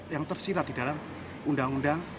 yang tersirat di dalam undang undang